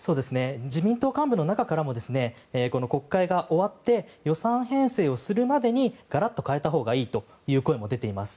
自民党幹部の中からもこの国会が終わって予算編成をするまでにガラッと変えたほうがいいという声も出ています。